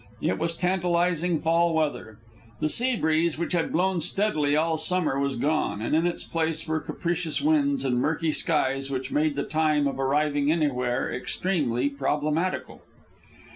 It was tantalizing fall weather. The sea breeze, which had blown steadily all summer, was gone, and in its place were capricious winds and murky skies which made the time of arriving anywhere extremely problematical.